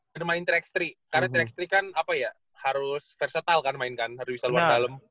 karena main track tiga karena track tiga kan apa ya harus versatile kan main kan harus bisa luar dalem